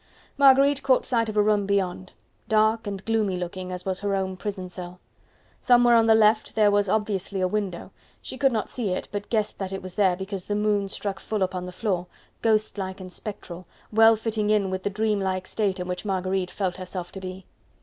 Marguerite caught sight of a room beyond, dark and gloomy looking, as was her own prison cell. Somewhere on the left there was obviously a window; she could not see it but guessed that it was there because the moon struck full upon the floor, ghost like and spectral, well fitting in with the dream like state in which Marguerite felt herself to be.